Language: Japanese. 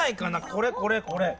これこれこれ！